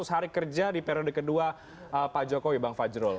seratus hari kerja di periode kedua pak jokowi bang fajrul